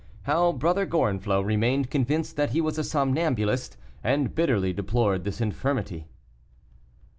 HOW BROTHER GORENFLOT REMAINED CONVINCED THAT HE WAS A SOMNAMBULIST, AND BITTERLY DEPLORED THIS INFIRMITY.